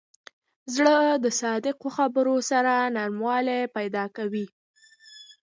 زړه د صادقو خبرو سره نرموالی پیدا کوي.